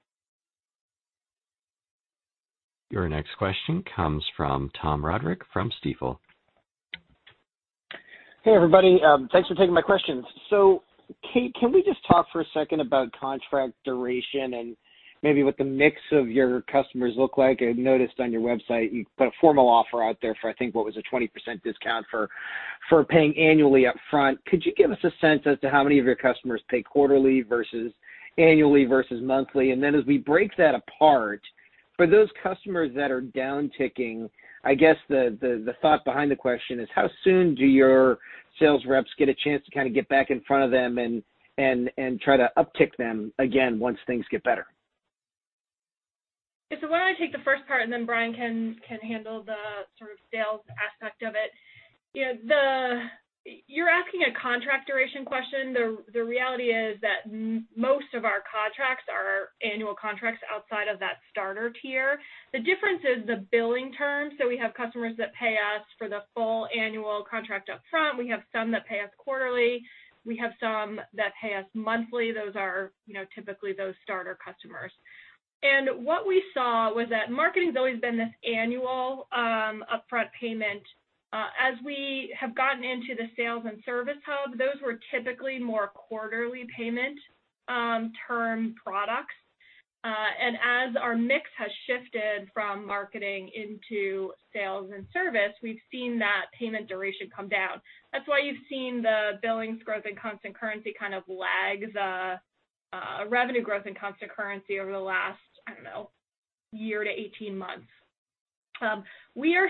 Your next question comes from Tom Roderick from Stifel. Hey, everybody. Thanks for taking my questions. Kate, can we just talk for a second about contract duration and maybe what the mix of your customers look like? I noticed on your website you put a formal offer out there for, I think, what was a 20% discount for paying annually up front. Could you give us a sense as to how many of your customers pay quarterly versus annually versus monthly? As we break that apart, for those customers that are downticking, I guess the thought behind the question is how soon do your sales reps get a chance to kind of get back in front of them and try to uptick them again once things get better? Why don't I take the first part, and then Brian can handle the sort of sales aspect of it. You're asking a contract duration question. The reality is that most of our contracts are annual contracts outside of that Starter tier. The difference is the billing terms. We have customers that pay us for the full annual contract up front. We have some that pay us quarterly. We have some that pay us monthly. Those are typically those Starter customers. What we saw was that Marketing's always been this annual upfront payment. As we have gotten into the Sales and Service Hub, those were typically more quarterly payment term products. As our mix has shifted from Marketing into Sales and Service, we've seen that payment duration come down. That's why you've seen the billings growth in constant currency kind of lag the revenue growth in constant currency over the last, I don't know, year to 18 months. We are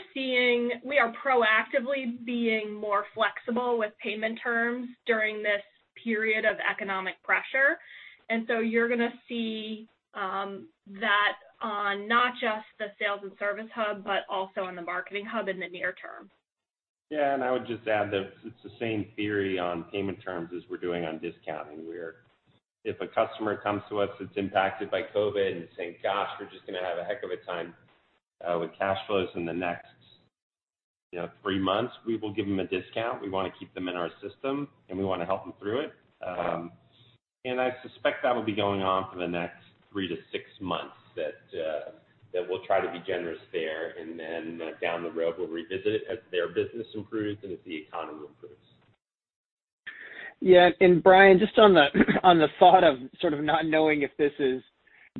proactively being more flexible with payment terms during this period of economic pressure. You're gonna see that on not just Sales Hub and Service Hub, but also on the Marketing Hub in the near term. I would just add that it's the same theory on payment terms as we're doing on discounting, where if a customer comes to us that's impacted by COVID and is saying, "Gosh, we're just gonna have a heck of a time with cash flows in the next three months," we will give them a discount. We want to keep them in our system, and we want to help them through it. I suspect that'll be going on for the next three to six months, that we'll try to be generous there. Down the road, we'll revisit it as their business improves and as the economy improves. Yeah. Brian, just on the thought of sort of not knowing if this is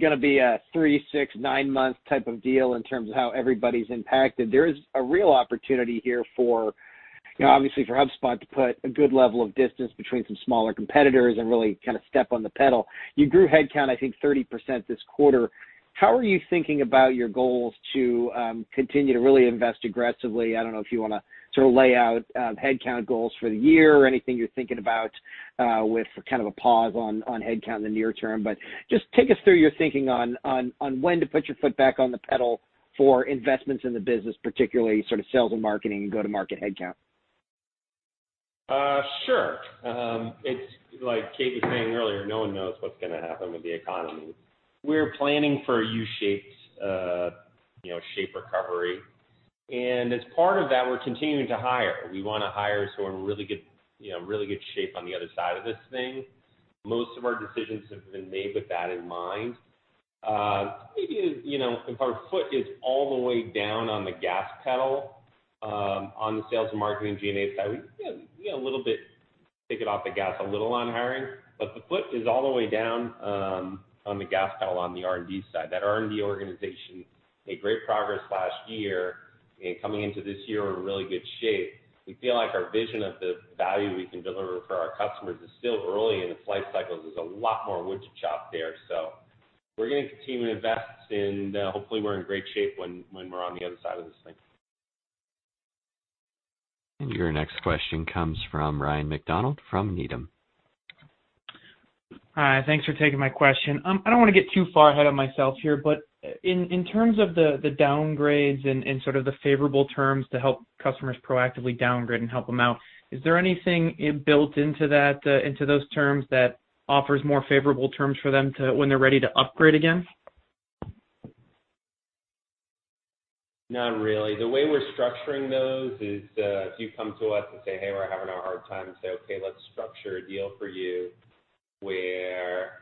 going to be a three, six, nine-month type of deal in terms of how everybody's impacted, there is a real opportunity here, obviously, for HubSpot to put a good level of distance between some smaller competitors and really kind of step on the pedal. You grew headcount, I think, 30% this quarter. How are you thinking about your goals to continue to really invest aggressively? I don't know if you want to sort of lay out headcount goals for the year or anything you're thinking about, with kind of a pause on headcount in the near term. Just take us through your thinking on when to put your foot back on the pedal for investments in the business, particularly sort of sales and marketing and go-to-market headcount. Sure. It's like Kate was saying earlier, no one knows what's going to happen with the economy. We're planning for a U-shaped shape recovery, and as part of that, we're continuing to hire. We want to hire so we're in really good shape on the other side of this thing. Most of our decisions have been made with that in mind. Maybe if our foot is all the way down on the gas pedal, on the sales and marketing G&A side, we a little bit take it off the gas a little on hiring. The foot is all the way down on the gas pedal on the R&D side. That R&D organization made great progress last year, and coming into this year, we're in really good shape. We feel like our vision of the value we can deliver for our customers is still early in the flight cycles. There's a lot more wood to chop there. We're going to continue to invest, and hopefully we're in great shape when we're on the other side of this thing. Your next question comes from Ryan MacDonald from Needham. Hi. Thanks for taking my question. I don't want to get too far ahead of myself here, but in terms of the downgrades and sort of the favorable terms to help customers proactively downgrade and help them out, is there anything built into those terms that offers more favorable terms for them when they're ready to upgrade again? Not really. The way we're structuring those is, if you come to us and say, "Hey, we're having a hard time," say, "Okay, let's structure a deal for you where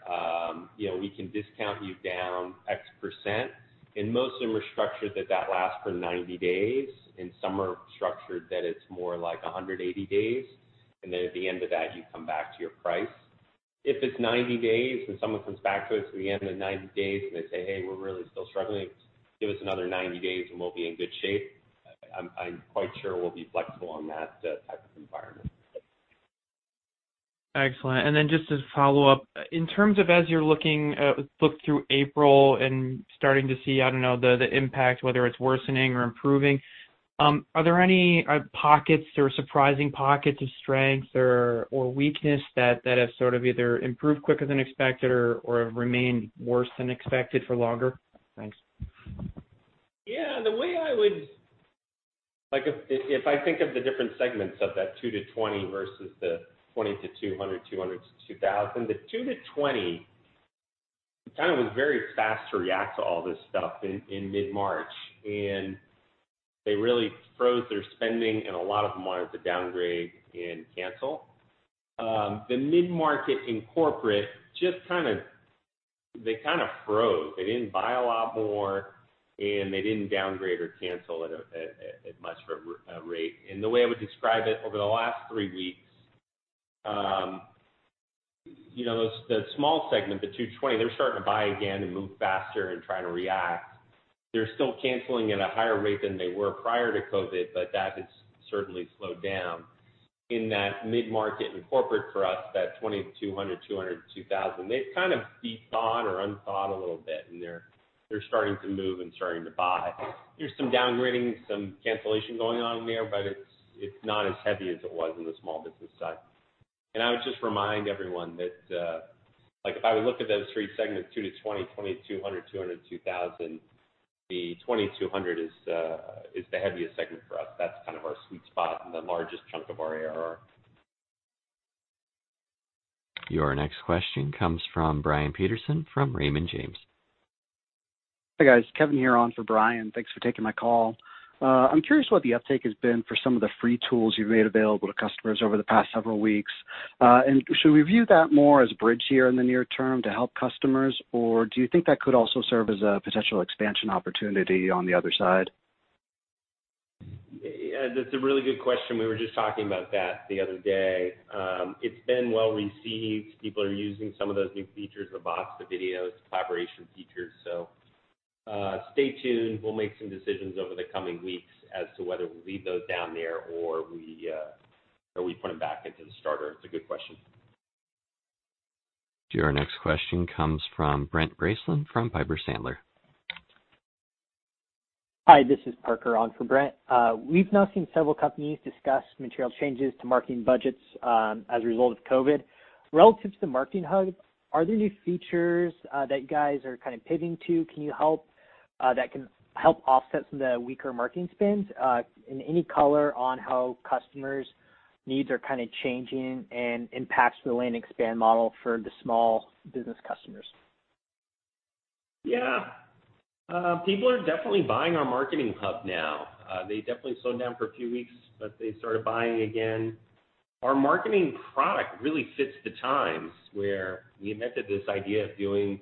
we can discount you down X%." Most of them are structured that that lasts for 90 days, and some are structured that it's more like 180 days. Then at the end of that, you come back to your price. If it's 90 days and someone comes back to us at the end of the 90 days and they say, "Hey, we're really still struggling. Give us another 90 days and we'll be in good shape," I'm quite sure we'll be flexible on that type of environment. Excellent. Just to follow up, in terms of as you look through April and starting to see, I don't know, the impact, whether it's worsening or improving, are there any pockets or surprising pockets of strength or weakness that have sort of either improved quicker than expected or have remained worse than expected for longer? Thanks. If I think of the different segments of that 2-20 versus the 20-200, 200-2,000, the 2-20, kind of was very fast to react to all this stuff in mid-March, and they really froze their spending, and a lot of them wanted to downgrade and cancel. The mid-market and corporate, they kind of froze. They didn't buy a lot more, and they didn't downgrade or cancel at much of a rate. The way I would describe it, over the last three weeks, the small segment, the 2-20, they're starting to buy again and move faster and trying to react. They're still canceling at a higher rate than they were prior to COVID, but that has certainly slowed down. In that mid-market and corporate for us, that 20-200, 200-2,000, they've kind of de-thawed or unthawed a little bit, and they're starting to move and starting to buy. There's some downgrading, some cancellation going on there, but it's not as heavy as it was in the small business side. I would just remind everyone that, if I would look at those three segments, 2-20, 20-200, 200-2,000, the 20-200 is the heaviest segment for us. That's kind of our sweet spot and the largest chunk of our ARR. Your next question comes from Brian Peterson from Raymond James. Hey, guys. Kevin here on for Brian. Thanks for taking my call. I'm curious what the uptake has been for some of the free tools you've made available to customers over the past several weeks. Should we view that more as a bridge here in the near term to help customers, or do you think that could also serve as a potential expansion opportunity on the other side? That's a really good question. We were just talking about that the other day. It's been well-received. People are using some of those new features, the bots, the videos, the collaboration features. Stay tuned. We'll make some decisions over the coming weeks as to whether we'll leave those down there or we put them back into the Starter. It's a good question. Your next question comes from Brent Bracelin from Piper Sandler. Hi, this is Parker on for Brent. We've now seen several companies discuss material changes to marketing budgets as a result of COVID-19. Relative to the Marketing Hub, are there new features that you guys are kind of pivoting to that can help offset some of the weaker marketing spends? Any color on how customers' needs are kind of changing and impacts to the land expand model for the small business customers? Yeah. People are definitely buying our Marketing Hub now. They definitely slowed down for a few weeks. They started buying again. Our Marketing product really fits the times, where we invented this idea of doing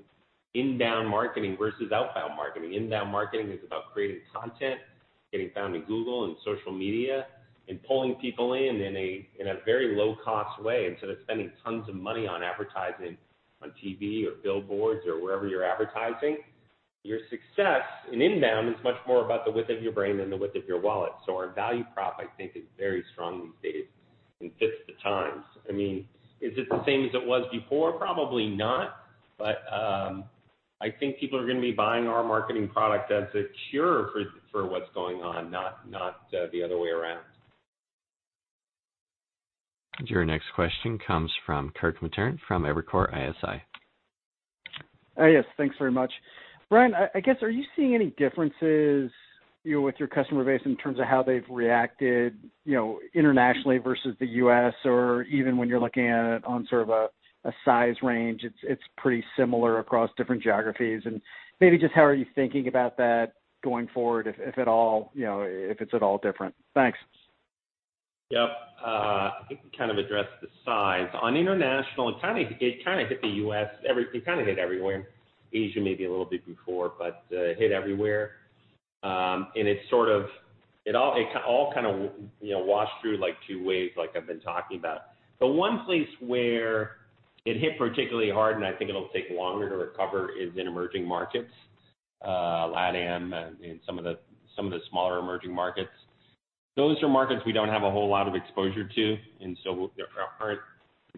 inbound marketing versus outbound marketing. Inbound marketing is about creating content, getting found in Google and social media, and pulling people in in a very low-cost way, instead of spending tons of money on advertising on TV or billboards or wherever you're advertising. Your success in inbound is much more about the width of your brain than the width of your wallet. Our value prop, I think, is very strong these days and fits the times. Is it the same as it was before? Probably not. I think people are going to be buying our Marketing product as a cure for what's going on, not the other way around. Your next question comes from Kirk Materne from Evercore ISI. Yes. Thanks very much. Brian, I guess are you seeing any differences with your customer base in terms of how they've reacted internationally versus the U.S., or even when you're looking at it on sort of a size range, it's pretty similar across different geographies? Maybe just how are you thinking about that going forward, if it's at all different? Thanks. Yep. I think we kind of addressed the size. On international, it kind of hit the U.S., it kind of hit everywhere. Asia maybe a little bit before, but it hit everywhere. It all kind of washed through two waves, like I've been talking about. The one place where it hit particularly hard, and I think it'll take longer to recover, is in emerging markets, LatAm and some of the smaller emerging markets. Those are markets we don't have a whole lot of exposure to, and so they aren't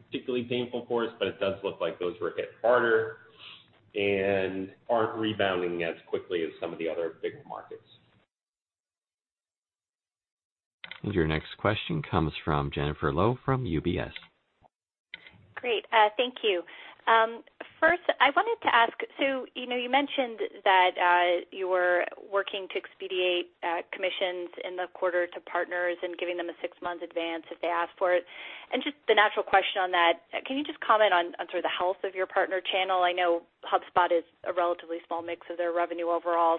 particularly painful for us, but it does look like those were hit harder and aren't rebounding as quickly as some of the other big markets. Your next question comes from Jennifer Lowe from UBS. Great. Thank you. First I wanted to ask, you mentioned that you were working to expedite commissions in the quarter to partners and giving them a six-month advance if they ask for it. Just the natural question on that, can you just comment on sort of the health of your partner channel? I know HubSpot is a relatively small mix of their revenue overall.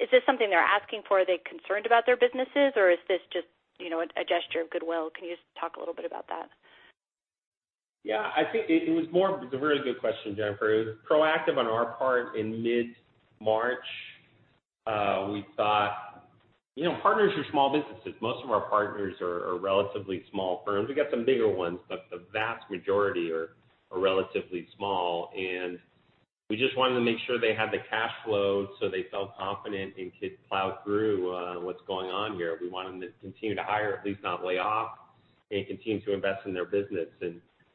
Is this something they're asking for? Are they concerned about their businesses, or is this just a gesture of goodwill? Can you just talk a little bit about that? Yeah, it's a really good question, Jennifer. It was proactive on our part in mid-March. We thought, partners are small businesses. Most of our partners are relatively small firms. We've got some bigger ones, but the vast majority are relatively small. We just wanted to make sure they had the cash flow so they felt confident and could plow through what's going on here. We want them to continue to hire, at least not lay off, and continue to invest in their business.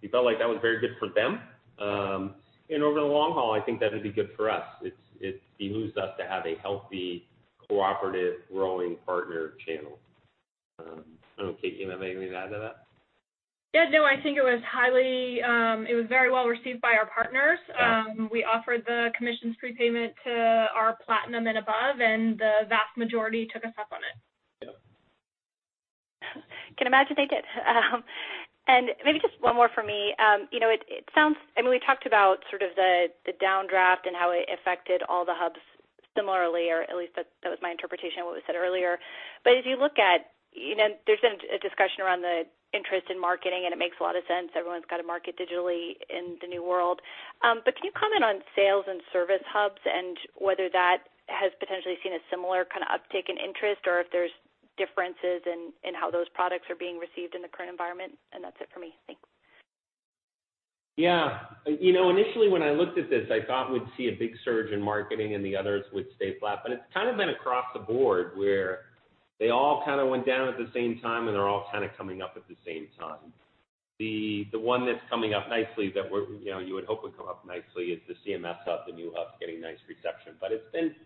We felt like that was very good for them. Over the long haul, I think that it'd be good for us. It behooves us to have a healthy, cooperative, growing partner channel. I don't know, Kate, you have anything to add to that? Yeah, no, I think it was very well received by our partners. We offered the commissions prepayment to our Platinum and above, and the vast majority took us up on it. Yeah. Can imagine they did. Maybe just one more from me. We talked about sort of the downdraft and how it affected all the Hubs similarly, or at least that was my interpretation of what was said earlier. As you look at, there's been a discussion around the interest in marketing, and it makes a lot of sense. Everyone's got to market digitally in the new world. Can you comment on Sales and Service Hubs and whether that has potentially seen a similar kind of uptick in interest, or if there's differences in how those products are being received in the current environment? That's it for me. Thanks. Yeah. Initially when I looked at this, I thought we'd see a big surge in Marketing and the others would stay flat, but it's kind of been across the board, where they all kind of went down at the same time, and they're all kind of coming up at the same time. The one that's coming up nicely that you would hope would come up nicely is the CMS Hub, the new Hub's getting nice reception. It's been, Jennifer,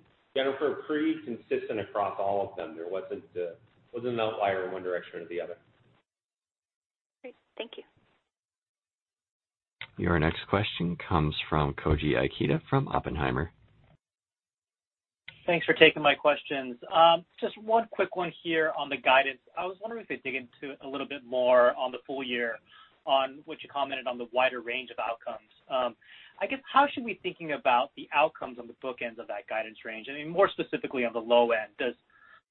pretty consistent across all of them. There wasn't an outlier in one direction or the other. Great. Thank you. Your next question comes from Koji Ikeda from Oppenheimer. Thanks for taking my questions. Just one quick one here on the guidance. I was wondering if we could dig into a little bit more on the full-year, on what you commented on the wider range of outcomes. I guess, how should we be thinking about the outcomes on the bookends of that guidance range? More specifically on the low end. Does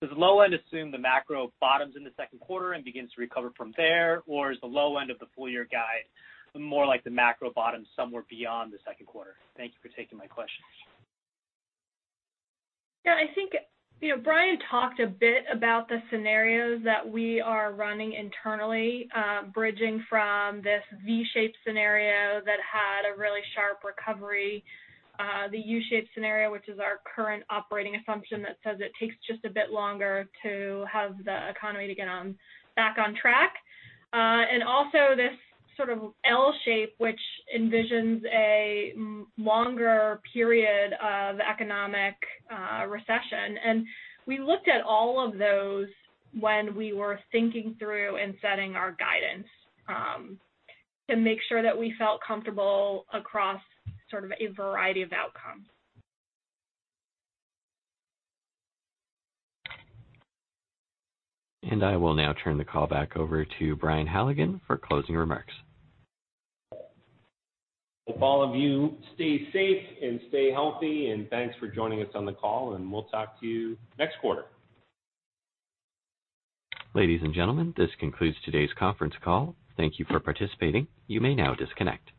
the low end assume the macro bottoms in the second quarter and begins to recover from there, or is the low end of the full-year guide more like the macro bottom somewhere beyond the second quarter? Thank you for taking my questions. Yeah, I think Brian talked a bit about the scenarios that we are running internally, bridging from this V-shaped scenario that had a really sharp recovery, the U-shaped scenario, which is our current operating assumption that says it takes just a bit longer to have the economy to get back on track. Also, this sort of L shape, which envisions a longer period of economic recession. We looked at all of those when we were thinking through and setting our guidance, to make sure that we felt comfortable across sort of a variety of outcomes. I will now turn the call back over to Brian Halligan for closing remarks. Hope all of you stay safe and stay healthy. Thanks for joining us on the call. We'll talk to you next quarter. Ladies and gentlemen, this concludes today's conference call. Thank you for participating. You may now disconnect.